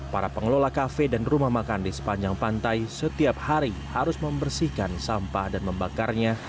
para pengelola kafe dan rumah makan di sepanjang pantai setiap hari harus membersihkan sampah dan membakarnya